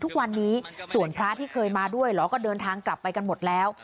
ทุกวันนี้ส่วนพระที่เคยมาด้วยเหรอก็เดินทางกลับไปกันหมดแล้ว